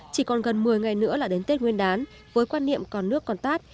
chỉ còn gần một mươi ngày nữa là đến tết nguyên đán với quan niệm còn nước còn tát